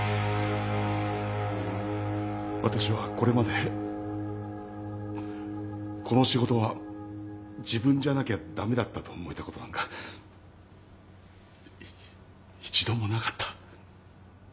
私はこれまでこの仕事は自分じゃなきゃ駄目だったと思えたことなんかい一度もなかった。